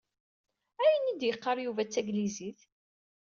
Ayen i yeqqar Yuba taglizit?